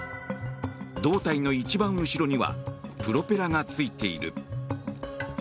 胴体の一番後ろにはプロペラがついている。